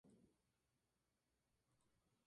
Hizo intensos reconocimientos de spp.